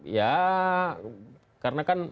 ya karena kan